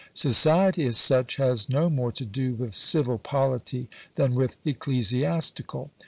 Society as such has no more to do with civil polity than with ecclesiastical.